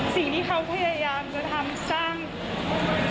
สิ่งที่เขาก็พยายามจะทำ